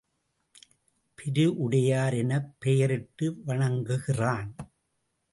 பெரு உடையார் எனப் பெயரிட்டு வணங்குகிறான்.